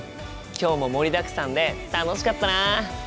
今日も盛りだくさんで楽しかったな！